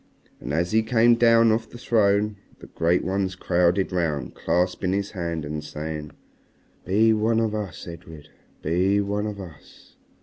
And as he came down off the throne the great ones crowded round him, clasping his hand and saying "Be one of us, Edred. Be one of us."